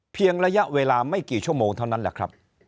ระยะเวลาไม่กี่ชั่วโมงเท่านั้นแหละครับ